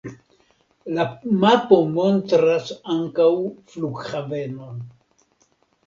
La mapo montras ankaŭ flughavenon.